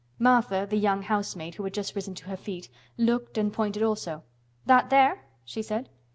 Martha, the young housemaid, who had just risen to her feet, looked and pointed also. "That there?" she said.